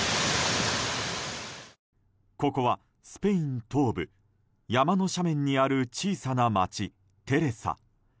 ここはスペイン東部山の斜面にある小さな町、テレサ。